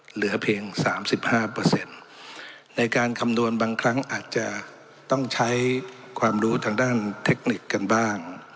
เหลือเพียง๓๕ในการคำนวณบางครั้งอาจจะต้องใช้ความรู้ทางด้านเทคนิคกันบ้าง